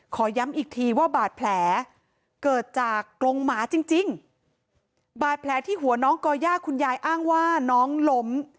ขอย้ำอีกทีว่าบาดแผลเกิดจากกรงหมาจริงจริงบาดแผลที่หัวน้องก่อย่าคุณยายอ้างว่าน้องล้ม